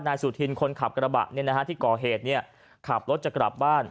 นายสุธินคนขับกระบะเนี่ยนะฮะที่ก่อเหตุเนี่ยขับรถจะกลับบ้าน